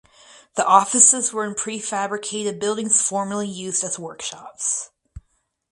The offices were in prefabricated buildings formerly used as workshops.